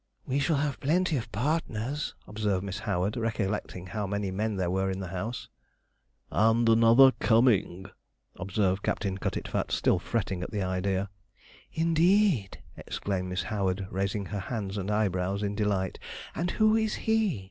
'We shall have plenty of partners,' observed Miss Howard, recollecting how many men there were in the house. 'And another coming,' observed Captain Cutitfat, still fretting at the idea. 'Indeed!' exclaimed Miss Howard, raising her hands and eyebrows in delight; 'and who is he?'